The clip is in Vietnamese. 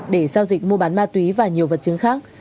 để giao dịch mua bán ma túy và nhiều vật chứng khác